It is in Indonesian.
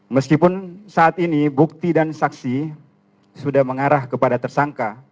meskipun saat ini bukti dan saksi sudah mengarah kepada tersangka